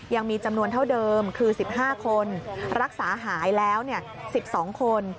ยังมีจำนวนเท่าเดิมคือ๑๕คนรักษาหายแล้ว๑๒คน